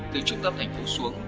từ trung tâm thành phố xuống